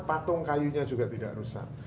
patung kayunya juga tidak rusak